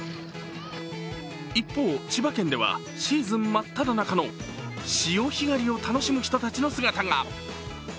一方、千葉県ではシーズン真っただ中の潮干狩りを楽しむ人たちの姿が。